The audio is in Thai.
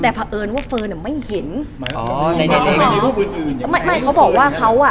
แต่พอเอิญว่าเฟิร์นอะไม่เห็นอ๋อในอ๋อไม่ไม่เขาบอกว่าเขาอะ